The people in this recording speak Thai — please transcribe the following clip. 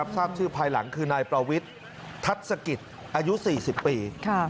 ทราบชื่อภายหลังคือนายประวิทย์ทัศกิจอายุ๔๐ปี